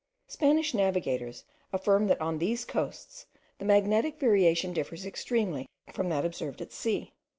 Spanish navigators affirm that on these coasts the magnetic variation differs extremely from that observed at sea.